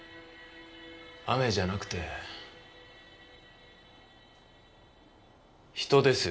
雨じゃなくて人ですよ。